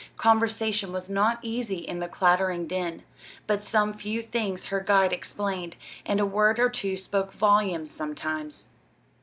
Conversation was not easy in the clattering din, but some few things her guide explained, and a word or two spoke volumes sometimes.